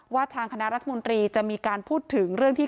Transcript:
ทางคณะรัฐมนตรีจะมีการพูดถึงเรื่องที่